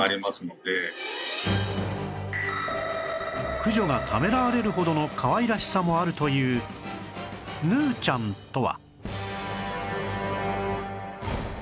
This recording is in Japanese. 駆除がためらわれるほどのかわいらしさもあるというヌーちゃんとは？